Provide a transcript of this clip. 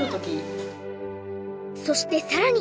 そしてさらに。